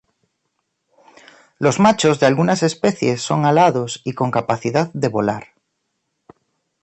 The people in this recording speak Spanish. Los machos de algunas especies son alados y con capacidad de volar.